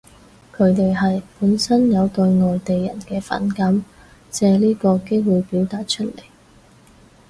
佢哋係，本身有對外地人嘅反感，借呢個機會表達出嚟